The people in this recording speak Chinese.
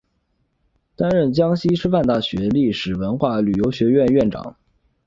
担任江西师范大学历史文化与旅游学院院长。